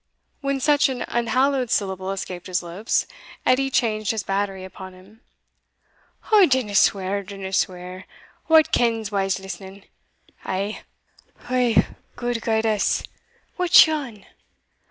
When such an unhallowed syllable escaped his lips, Edie changed his battery upon him. "O dinna swear! dinna swear! Wha kens whals listening! Eh! gude guide us, what's yon!